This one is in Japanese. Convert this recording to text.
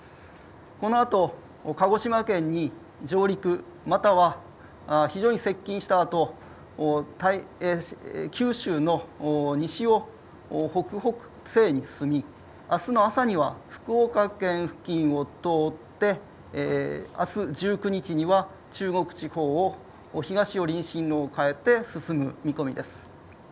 このあと鹿児島県に上陸、または非常に接近したあと九州の西を北北西に進み、あすの朝には福岡県付近を通ってあす１９日には中国地方を東寄りに進路を変えて進む見込みです。